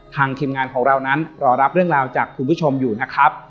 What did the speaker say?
ทีมงานของเรานั้นรอรับเรื่องราวจากคุณผู้ชมอยู่นะครับ